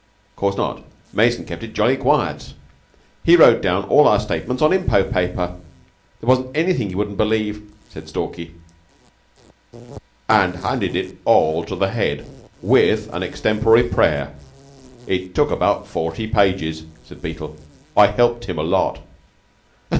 "'Course not. Mason kept it jolly quiet. He wrote down all our statements on impot paper. There wasn't anything he wouldn't believe," said Stalky. "And handed it all up to the Head, with an extempore prayer. It took about forty pages," said Beetle. "I helped him a lot."